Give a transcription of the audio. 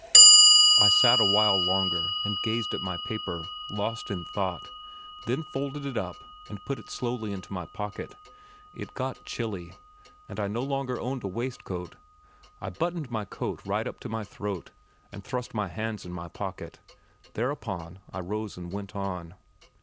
I sat a while longer, and gazed at my paper, lost in thought, then folded it up and put it slowly into my pocket. It got chilly; and I no longer owned a waistcoat. I buttoned my coat right up to my throat and thrust my hands in my pockets; thereupon I rose and went on.